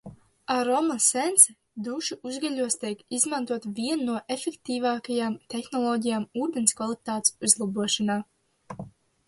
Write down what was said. Aroma Sense dušu uzgaļos tiek izmantota viena no efektīvākajām tehnoloģijām ūdens kvalitātes uzlabošanā